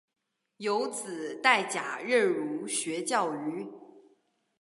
有子戴槚任儒学教谕。